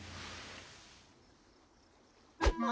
あ。